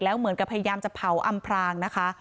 เหมือนกับพยายามจะเผาอำพรางนะคะ